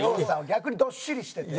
逆にどっしりしてる。